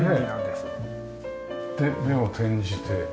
で目を転じて。